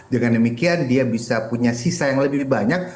dengan demikian dia bisa punya sisa yang lebih banyak